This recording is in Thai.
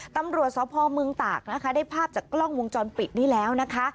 ตำรวจสมตาห์กได้ภาพจากกล้องวงจรปิดนี่แล้วนะคะ